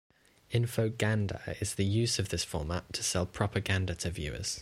Infoganda is the use of this format to sell propaganda to the viewers.